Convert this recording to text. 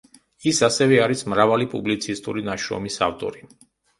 ის ასევე არის მრავალი პუბლიცისტური ნაშრომის ავტორი.